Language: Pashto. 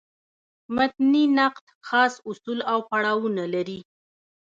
متني نقد خاص اصول او پړاوونه لري.